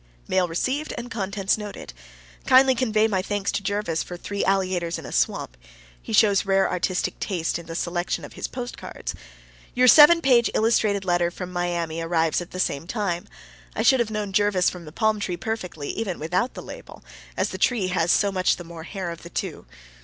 ........ Mail received and contents noted. Kindly convey my thanks to Jervis for three alligators in a swamp. He shows rare artistic taste in the selection of his post cards. Your seven page illustrated letter from Miami arrives at the same time. I should have known Jervis from the palm tree perfectly, even without the label, as the tree has so much the more hair of the two.